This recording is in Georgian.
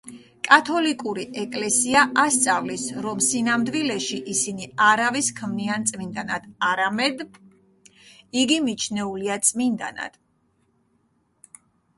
კათოლიკური ეკლესია ასწავლის, რომ სინამდვილეში, ისინი არავის ქმნიან წმინდანად, არამედ იგი მიჩნეულია წმინდანად.